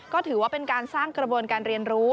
ก็ถือว่าเป็นการสร้างกระบวนการเรียนรู้